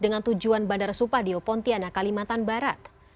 dengan tujuan bandara supadio pontianak kalimantan barat